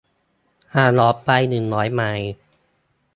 ห่างออกไปหนึ่งร้อยไมล์